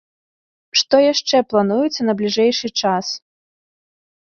Што яшчэ плануецца на бліжэйшы час?